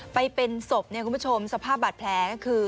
ไปเป็นศพเนี่ยคุณผู้ชมสภาพบาดแผลก็คือ